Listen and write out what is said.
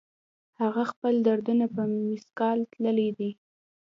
هغه خپل دردونه په مثقال تللي دي